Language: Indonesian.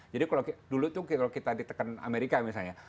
jadi kalau dulu tuh kita ditekan amerika misalnya